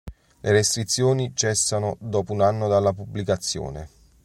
Le restrizioni cessano dopo un anno dalla pubblicazione.